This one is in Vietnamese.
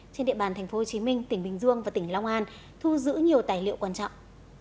trên địa bàn tp hcm tỉnh bình dương và tỉnh long an thu giữ nhiều tài liệu quan trọng